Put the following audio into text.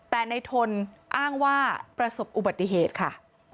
แต่ในทนอ้างว่าประสบอุบัติเหตุค่ะ